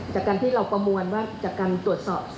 จากการที่เราประมวลว่าจากการตรวจสอบ